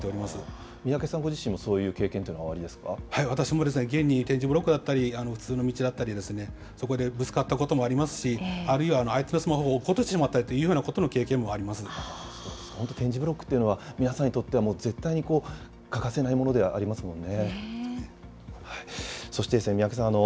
ご自身もそういう経私も現に点字ブロックだったり、普通の道だったり、そこでぶつかったこともありますし、あるいは、相手のスマホを落っことしてしまったりというふうな経験も本当、点字ブロックというのは皆さんにとっては絶対に欠かせないものではありますもんね。